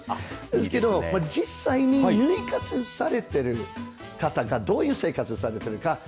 でも実際にぬい活されている方がどういう生活されているか。